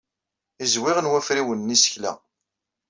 Izwiɣen wafriwen n yisekla.